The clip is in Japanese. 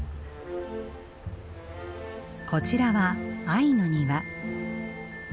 こちらは愛の庭。